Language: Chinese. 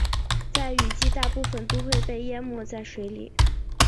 在雨季大部分都会被淹没在水里。